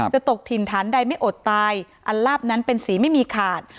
ตกถิ่นฐานใดไม่อดตายอันลาบนั้นเป็นสีไม่มีขาด